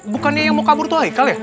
bukannya yang mau kabur tuh haikal ya